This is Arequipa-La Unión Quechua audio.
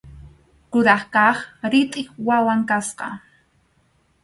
Kuraq kaq ritʼip wawan kasqa.